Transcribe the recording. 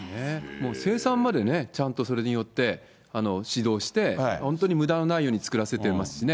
もう生産までね、ちゃんとそれによって指導して、本当にむだのないように作らせていますしね。